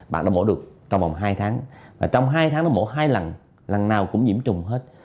bạn đó mổ được trong vòng hai tháng và trong hai tháng nó mổ hai lần lần nào cũng nhiễm trùng hết